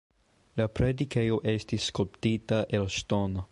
La predikejo estis skulptita el ŝtono.